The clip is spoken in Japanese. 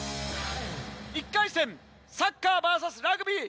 １回戦サッカーｖｓラグビー